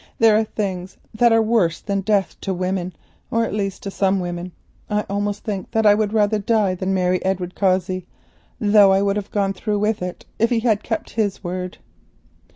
there are things that are worse than death to women, or, at least, to some women. I almost think that I would rather die than marry Edward Cossey, though I should have gone through with it if he had kept his word."